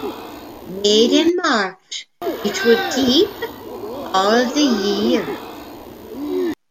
Made in March, it would "keepe all the yeere".